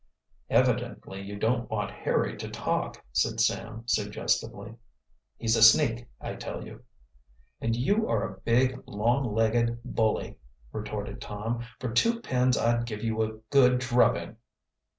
"Evidently you don't want Harry to talk," said Sam suggestively. "He's a sneak, I tell you." "And you are a big, long legged bully," retorted Tom. "For two pins I'd give you a good drubbing."